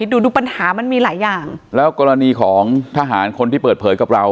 ดูดูปัญหามันมีหลายอย่างแล้วกรณีของทหารคนที่เปิดเผยกับเรา